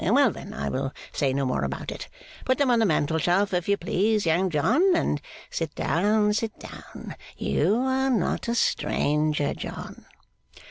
Well then, I will say no more about it. Put them on the mantelshelf, if you please, Young John. And sit down, sit down. You are not a stranger, John.